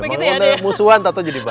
maksudnya musuhan takut jadi baik